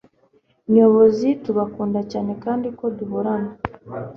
nyobozi tubakunda cyane kandi ko duhorana